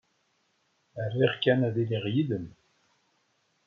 Riɣ kan ad iliɣ yid-m.